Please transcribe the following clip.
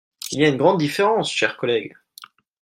Il y a une grande différence, chers collègues.